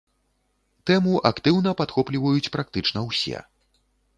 Тэму актыўна падхопліваюць практычна ўсе.